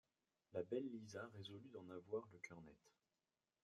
La belle Lisa résolut d’en avoir le cœur net.